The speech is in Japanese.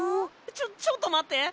ちょっちょっとまって！